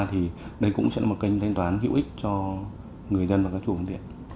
thì đây cũng sẽ là một kênh thanh toán hữu ích cho người dân và các chủ phương tiện